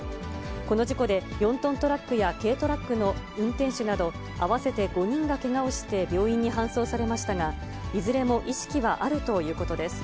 この事故で４トントラックや軽トラックの運転手など、合わせて５人がけがをして病院に搬送されましたが、いずれも意識はあるということです。